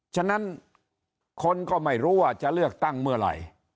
ฉะนั้นคนก็ไม่รู้ว่าจะเลือกตั้งเมื่อไหร่